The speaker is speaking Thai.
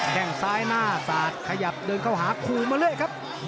แค่งซ้ายหน้าสาดขยับเดินเข้าหาคู่มาเรื่อยครับ